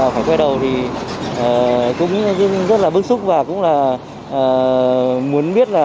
phải quay đầu thì cũng rất là bức xúc và cũng là muốn biết là